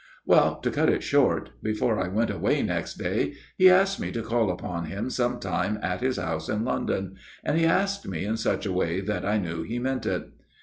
" Well, to cut it short, before I went away next day he asked me to call upon him sometime at his house in London, and he asked me in such a way that I knew he meant it."